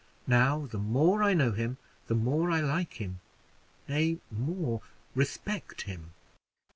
Now, the more I know him the more I like him, nay, more respect him.